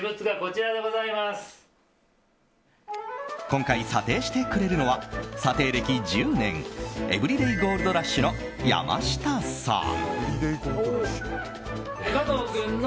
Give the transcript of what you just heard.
今回、査定してくれるのは査定歴１０年エブリデイゴールドラッシュの山下さん。